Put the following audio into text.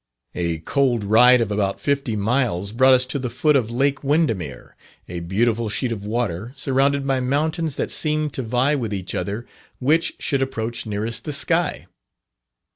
A cold ride of about fifty miles brought us to the foot of Lake Windermere, a beautiful sheet of water, surrounded by mountains that seemed to vie with each other which should approach nearest the sky.